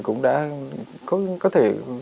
cũng đã có thể